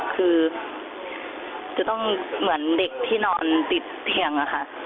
คือจะต้องเหมือนเด็กที่นอนติดเตียงอะค่ะ